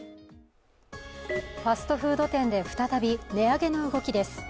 ファストフード店で再び値上げの動きです。